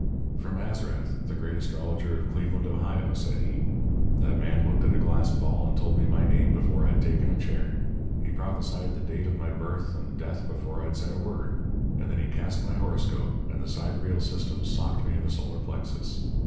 "'From Azrath, the great astrologer of Cleveland, Ohio,' said he. 'That man looked at a glass ball and told me my name before I'd taken a chair. He prophesied the date of my birth and death before I'd said a word. And then he cast my horoscope, and the sidereal system socked me in the solar plexus.